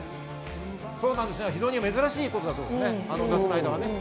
非常に珍しいことだそうです、夏の間は。